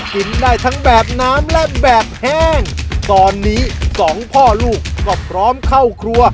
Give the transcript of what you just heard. กินได้ทั้งแบบน้ำและแบบแห้งตอนนี้สองพ่อลูกก็พร้อมเข้าครัว